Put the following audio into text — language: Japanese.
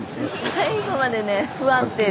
最後までね不安定。